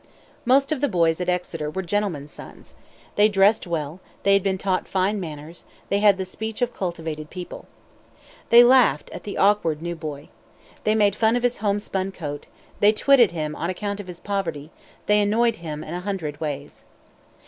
Most of the boys at Exeter were gentlemen's sons. They dressed well, they had been taught fine manners, they had the speech of cultivated people. They laughed at the awkward, new boy. They made fun of his homespun coat; they twitted him on account of his poverty; they annoyed him in a hundred ways.